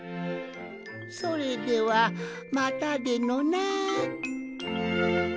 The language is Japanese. それではまたでのな。